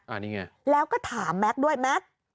อันนี้ไงแล้วก็ถามแม็กซ์ด้วยแม็กซ์